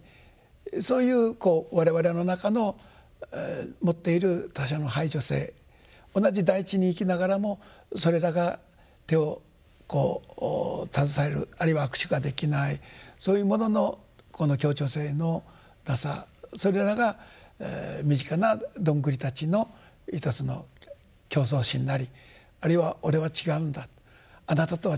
そういう我々の中の持っている他者の排除性同じ大地に生きながらもそれらが手をこう携えるあるいは握手ができないそういうもののこの協調性のなさそれらが身近などんぐりたちの一つの競争心なりあるいは俺は違うんだあなたとは違うんだと。